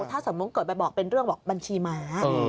ถ้าสมมุติเกิดไปบอกเป็นเรื่องบอกบัญชีม้า